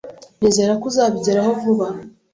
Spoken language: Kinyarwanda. Nizera ko uzabigeraho vuba.